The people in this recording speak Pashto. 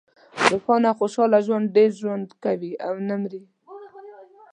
روښانه او خوشحاله زړه ډېر ژوند کوي او نه مری.